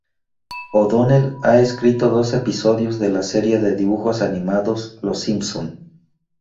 O'Donnell ha escrito dos episodios de la serie de dibujos animados "Los Simpson".